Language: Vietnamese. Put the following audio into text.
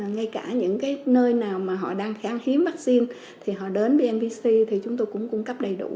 ngay cả những nơi nào mà họ đang kháng hiếm vaccine thì họ đến vnvc